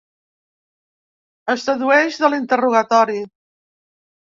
Es dedueix de l’interrogatori.